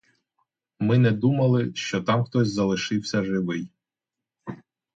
Ми не думали, що там хтось залишився живий.